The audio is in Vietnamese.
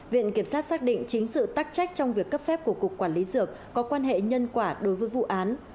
viện kiểm sát xác định chính sự tắc trách trong việc cấp phép của cục quản lý dược có quan hệ nhân quả đối với vụ án